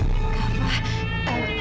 kama maaf semuanya sebentar